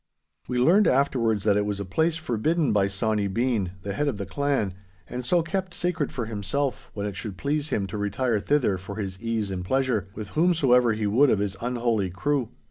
We learned afterwards that it was a place forbidden by Sawny Bean, the head of the clan, and so kept sacred for himself when it should please him to retire thither for his ease and pleasure, with whomsoever he would of his unholy crew.